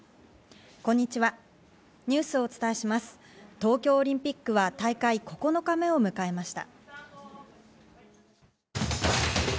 東京オリンピックは大会９日目を迎えました。